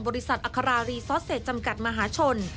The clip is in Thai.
อัครารีซอสเศษจำกัดมหาชน